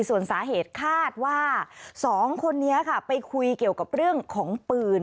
ส่วนสาเหตุคาดว่า๒คนนี้ค่ะไปคุยเกี่ยวกับเรื่องของปืน